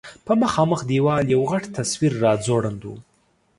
په مخامخ دېوال یو غټ تصویر راځوړند و.